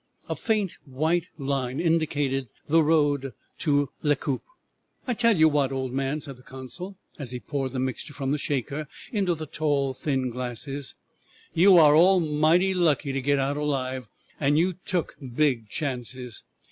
A faint white line indicated the road to Lecoup. "I tell you what, old man," said the consul, as he poured the mixture from the shaker into the tall, thin glasses, "you are almightly lucky to get out alive, and you took big chances.